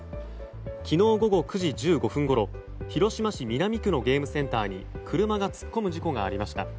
昨日午後９時１５分ごろ広島市南区のゲームセンターに車が突っ込む事故がありました。